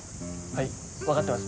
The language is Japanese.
はい分かってます